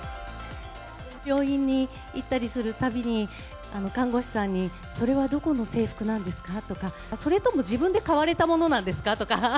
病院に行ったりするたびに、看護師さんに、それはどこの制服なんですか？とか、それとも自分で買われたものなんですかとか。